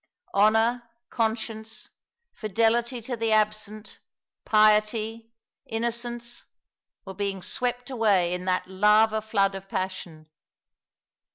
Honour, conscience, fidelity to the absent, piety, innocence were being swept away in that lava flood of passion.